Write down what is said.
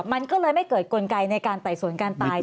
มันก็เลยไม่เกิดกลไกในการแตกส่วนการตายใช่ไหม